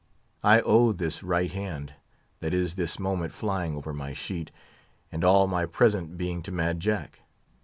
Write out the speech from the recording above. I owe this right hand, that is this moment flying over my sheet, and all my present being to Mad Jack.